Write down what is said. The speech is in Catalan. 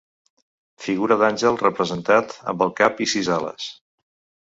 Figura d'àngel representat amb el cap i sis ales.